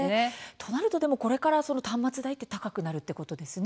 となると、今後は端末代は高くなるということですか。